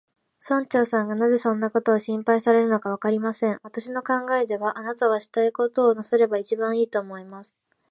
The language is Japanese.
村長さんがなぜそんなことを心配されるのか、わかりません。私の考えでは、あなたはしたいことをなさればいちばんいい、と思います。